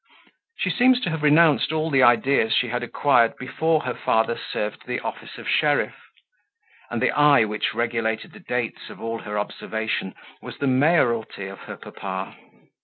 She seemed to have renounced all the ideas she had acquired before her father served the office of sheriff; and the eye which regulated the dates of all her observation, was the mayoralty of her papa.